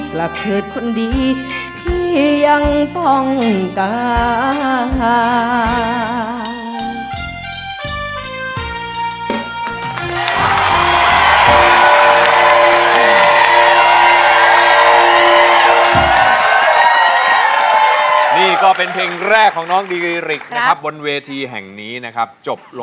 กลับเถิดคนดีพี่ยังต้องการ